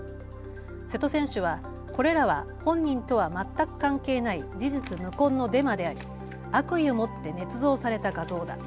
瀬戸選手はこれらは本人とは全く関係ない事実無根のデマであり悪意を持ってねつ造された画像だ。